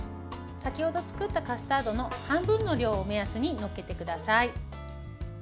先程作ったカスタードの半分の量を目安に載っけてください。